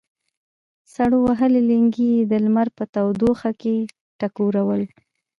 سړو وهلي لېنګي یې د لمر په تودوخه کې ټکورول.